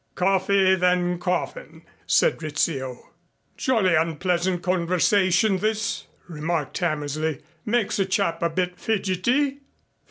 "Coffee then coffin," said Rizzio. "Jolly unpleasant conversation this," remarked Hammersley. "Makes a chap a bit fidgety."